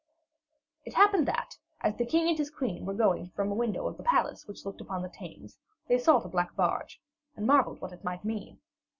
It happened that, as the king and his queen were looking from a window of the palace which looked upon the Thames, they saw the black barge, and marvelled what it might mean.